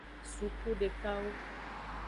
Suku dekawo.